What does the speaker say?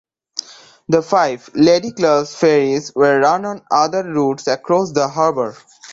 The five "Lady class" ferries were run on other routes across the Harbour.